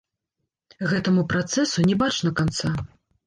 Гэтаму працэсу не бачна канца.